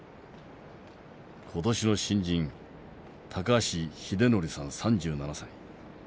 今年の新人橋秀徳さん３７歳。